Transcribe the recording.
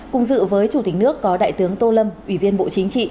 cùng dự với chủ tịch nước có đại tướng tô lâm ủy viên bộ chính trị